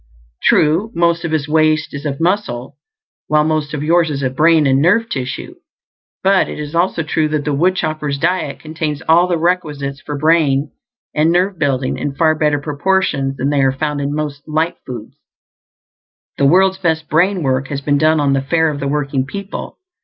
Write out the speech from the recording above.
True, most of his waste is of muscle, while most of yours is of brain and nerve tissue; but it is also true that the woodchopper's diet contains all the requisites for brain and nerve building in far better proportions than they are found in most "light" foods. The world's best brain work has been done on the fare of the working people.